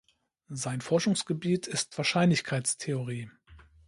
Sein Forschungsgebiet ist Wahrscheinlichkeitstheorie.